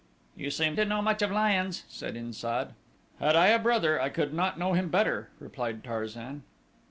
"You seem to know much of lions," said In sad. "Had I a brother I could not know him better," replied Tarzan.